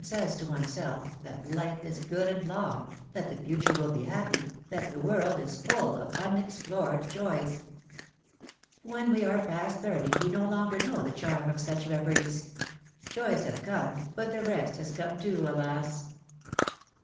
says to one's self, that life is good and long, that the future will be happy, that the world is full of unexplored joys. When we are past thirty we no longer know the charm of such reveries : joys have come, but the rest has come too, alas